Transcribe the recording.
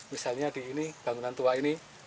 misalnya di ini bangunan tua ini